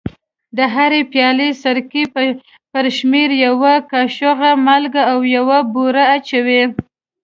د هرې پیالې سرکې پر شمېر یوه کاشوغه مالګه او یوه بوره اچوي.